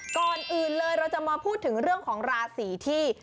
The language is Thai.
ก่อนอื่นเลยเราจะมาพูดถึงเรื่องของราศีที่